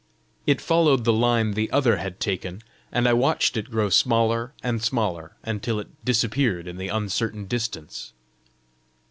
It followed the line the other had taken, and I watched it grow smaller and smaller, until it disappeared in the uncertain distance.